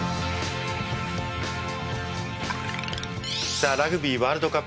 さあラグビーワールドカップ